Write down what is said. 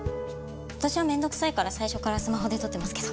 私は面倒くさいから最初からスマホで撮ってますけど。